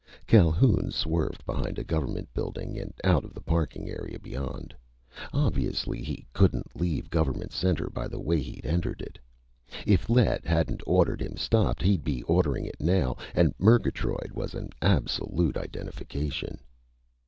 Calhoun swerved behind a government building and out of the parking area beyond. Obviously, he couldn't leave Government Center by the way he'd entered it. If Lett hadn't ordered him stopped, he'd be ordering it now. And Murgatroyd was an absolute identification.